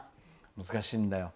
難しいんだよ！